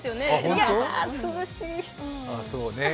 いやぁ、涼しい。